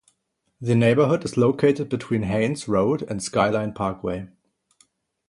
The neighborhood is located between Haines Road and Skyline Parkway.